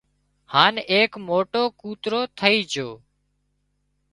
هانَ ايڪ موٽو ڪُوترو ٿئي جھو